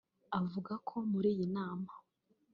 Avuga ko muri iyi nama